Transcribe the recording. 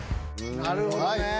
なるほどね！